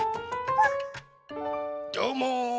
どうも！